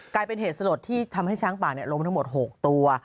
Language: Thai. กลายเป็นเหตุสลดที่ทำให้ช้างป่าล้มทั้งหมด๖ตัว